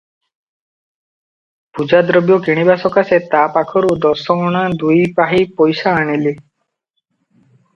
ପୂଜାଦ୍ରବ୍ୟ କିଣିବା ସକାଶେ ତା ପାଖରୁ ଦଶ ଅଣା ଦୁଇ ପାହି ପଇସା ଆଣିଲି ।